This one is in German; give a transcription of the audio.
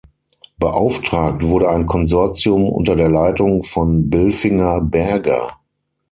Beauftragt wurde ein Konsortium unter der Leitung von Bilfinger Berger.